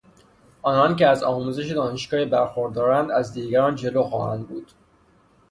آنان که از آموزش دانشگاهی برخوردارند از دیگران جلو خواهند بود.